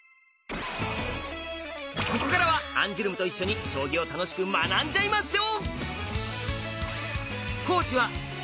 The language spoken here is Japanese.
ここからはアンジュルムと一緒に将棋を楽しく学んじゃいましょう！